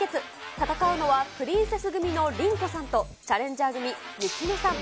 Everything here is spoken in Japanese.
戦うのはプリンセス組のリンコさんとチャレンジャー組、ユキノさん。